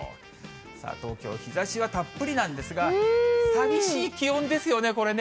さあ、東京、日ざしはたっぷりなんですが、寂しい気温ですよね、これね。